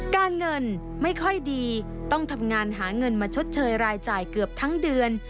การเงินไม่ค่อยดีต้องทำงานหาเงินมาชดเชยรายจ่ายเกือบทั้งเดือน